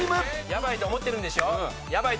ヤバいと思ってるんでしょ？